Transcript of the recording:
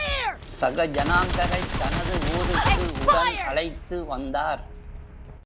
சகஜானந்தரைத் தனது ஊருக்கு உடன் அழைத்து வந்தார்.